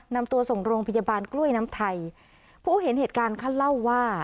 นำตัวส่งโรงพยาบาลกล้วยน้ำไทยผู้เห็นเหตุการณ์เขาเล่าว่า